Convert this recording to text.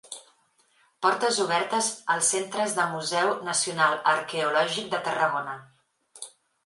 Portes obertes als Centres del Museu Nacional Arqueològic de Tarragona.